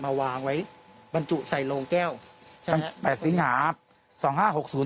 มาวางไว้บรรจุใส่โรงแก้วตั้งแต่แปดสิงหาสองห้าหกศูนย์